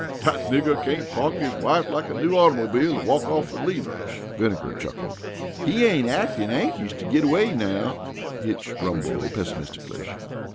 "Dat nigger cain't park his wife like a new automobile an' walk off an' leave her," Vinegar chuckled. "He ain't actin' anxious to git away now," Hitch rumbled pessimistically.